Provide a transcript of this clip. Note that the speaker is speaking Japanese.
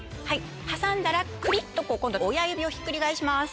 挟んだらくりっと親指をひっくり返します。